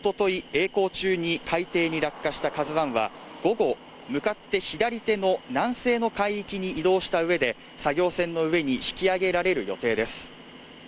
えい航中に海底に落下した「ＫＡＺＵ１」は午後向かって左手の南西の海域に移動した上で作業船の上に引き揚げられる予定です